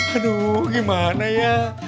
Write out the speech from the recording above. aduh gimana ya